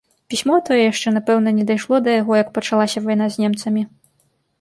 Пісьмо тое яшчэ, напэўна, не дайшло да яго, як пачалася вайна з немцамі.